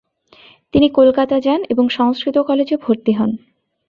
তিনি কলকাতা যান এবং সংস্কৃত কলেজে ভর্তি হন।